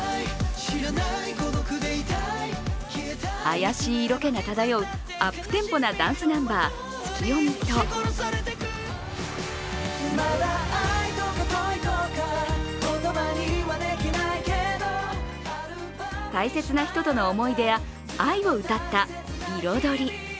あやしい色気が漂うアップテンポなダンスナンバー「ツキヨミ」き大切な人との思い出や愛を歌った「彩り」。